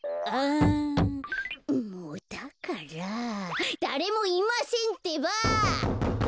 んもだからだれもいませんってば！